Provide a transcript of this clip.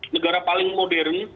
negara paling modern